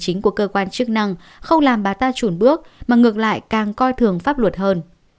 chính của cơ quan chức năng không làm bà ta trùn bước mà ngược lại càng coi thường pháp luật hơn